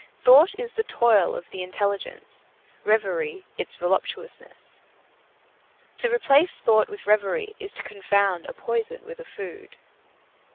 Thought is the toil of the intelligence, reverie its voluptuousness. To replace thought with reverie is to confound a poison with a food.